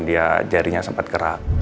dia jarinya sempat kera